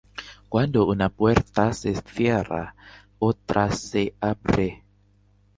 Cuando una puerta se cierra, otra se abre